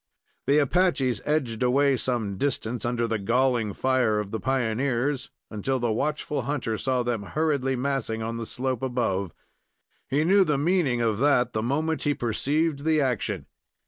The Apaches edged away some distance, under the galling fire of the pioneers, until the watchful hunter saw them hurriedly massing on the slope above. He knew the meaning of that the moment he perceived the action.